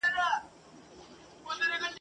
خپل جنون رسوا کمه، ځان راته لیلا کمه !.